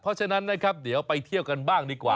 เพราะฉะนั้นนะครับเดี๋ยวไปเที่ยวกันบ้างดีกว่า